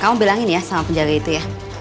kamu bilangin ya sama penjaga itu ya